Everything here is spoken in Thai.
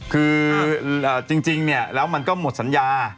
คือจริงเนี่ยแล้วมันก็หมดสัญญา